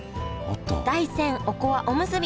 大山おこわおむすび